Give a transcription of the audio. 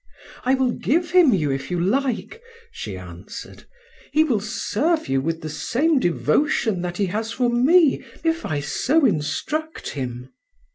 "I will give him you, if you like," she answered; "he will serve you with the same devotion that he has for me, if I so instruct him."